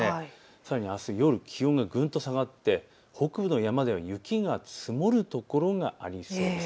さらにあす夜、気温がぐんと下がって北部の山では雪が積もる所がありそうです。